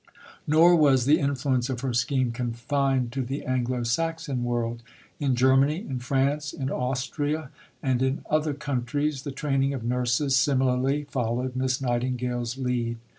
" Nor was the influence of her scheme confined to the Anglo Saxon world. In Germany, in France, in Austria, and in other countries, the training of nurses similarly followed Miss Nightingale's lead.